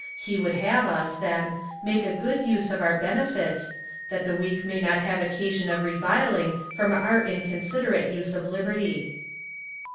He would have us, then, make a good use of our benefits,^ that the weak may not have occa sion of reviling from our inconsiderate use of liberty.